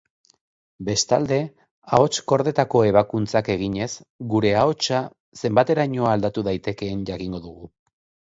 Bestalde, ahots-kordetako ebakuntzak eginez, gure ahotsa zenbateraino aldatu daitekeen jakingo dugu.